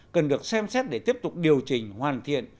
cần được xem xét để tiếp tục điều chỉnh hoàn thiện